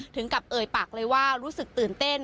ถึงกับเอ่ยปากเลยว่ารู้สึกตื่นเต้น